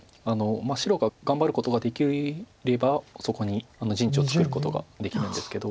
白が頑張ることができればそこに陣地を作ることができるんですけど。